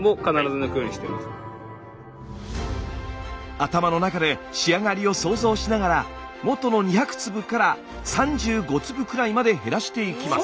頭の中で仕上がりを想像しながら元の２００粒から３５粒くらいまで減らしていきます。